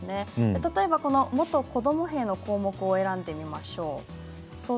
例えば、元子ども兵の項目を選んでみましょう。